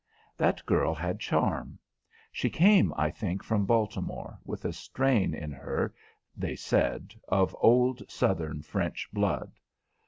That girl had charm. She came, I think, from Baltimore, with a strain in her, they said, of old Southern French blood.